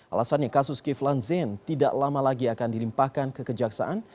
alasannya kasus kiflan zain tidak lama lagi akan dilimpahkan ke kejaksaan